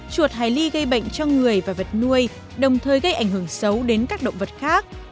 chuột hải ly gây bệnh cho người và vật nuôi đồng thời gây ảnh hưởng xấu đến các động vật khác